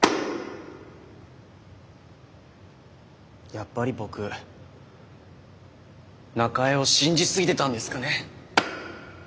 やっぱり僕中江を信じすぎてたんですかね。